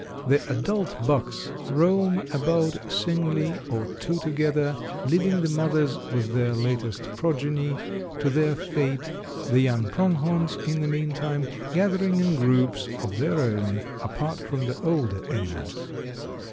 The adult bucks roam about singly or two together, leaving the mothers with their latest progeny to their fate, the young Prong horns in the meantime gathering in groups of their own apart from the older animals.